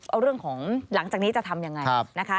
เอาเรื่องของหลังจากนี้จะทำอย่างไร